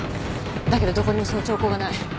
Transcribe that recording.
だけどどこにもその兆候がない。